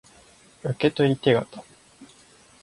受取手形